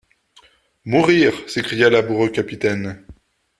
Mourir! s’écria l’amoureux capitaine.